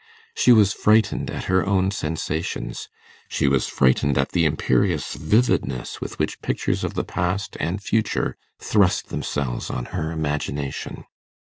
She was frightened at her own sensations: she was frightened at the imperious vividness with which pictures of the past and future thrust themselves on her imagination.